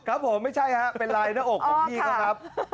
ครับผมไม่ใช่ฮะเป็นลายหน้าอกของพี่เขาครับ